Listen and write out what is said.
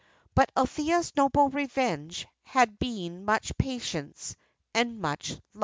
But Althea's noble revenge had been much patience and much love.